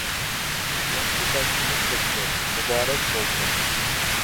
ياخشى باشلىنىش بوپتۇ، مۇبارەك بولسۇن.